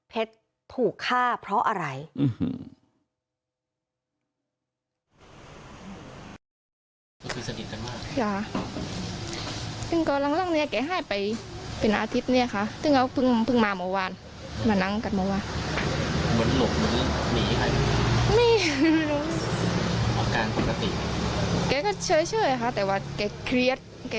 ถูกฆ่าเพราะอะไร